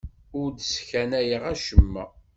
Ur d-sseknayeɣ acemma.